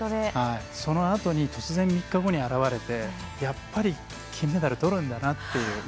そのあとに突然３日後に現れてやっぱり金メダルとるんだなと。